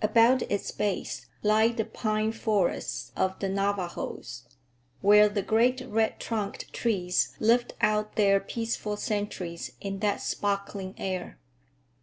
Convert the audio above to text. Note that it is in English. About its base lie the pine forests of the Navajos, where the great red trunked trees live out their peaceful centuries in that sparkling air.